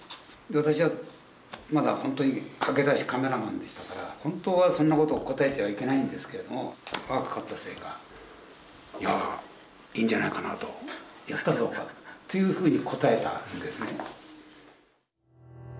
私はまだほんとに駆け出しカメラマンでしたから本当はそんなことを答えてはいけないんですけれども若かったせいか「いやいいんじゃないかな」と「やったらどうか」っていうふうに答えたんですね。